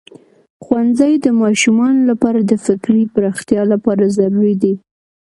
ښوونځی د ماشومانو لپاره د فکري پراختیا لپاره ضروری دی.